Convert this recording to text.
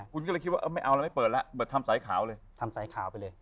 คุณก็เลยคิดว่าเอ้าไม่เอาแล้วไม่เปิดละเขาเปิดทำสายขาวเลย